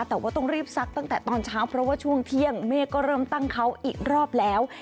แต่ว่าต้องรีบซักตั้งแต่ตอนเช้าเพราะว่าช่วงเที่ยงเมฆก็เริ่มตั้งเขาอีกรอบแล้ว